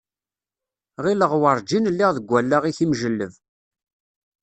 Γileɣ werǧin lliɣ deg wallaɣ-ik imǧelleb.